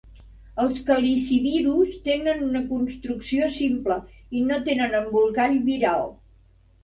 Els calicivirus tenen una construcció simple i no tenen embolcall viral.